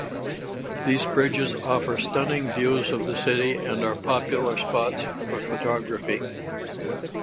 These bridges offer stunning views of the city and are popular spots for photography.